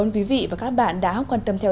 xin chào và hẹn gặp lại trong các chương trình sau